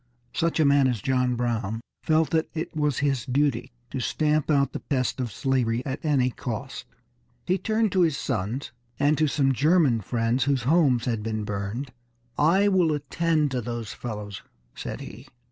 Such a man as John Brown felt that it was his duty to stamp out the pest of slavery at any cost. He turned to his sons and to some German friends whose homes had been burned. "I will attend to those fellows," said he.